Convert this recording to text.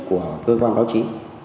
của cơ quan báo trí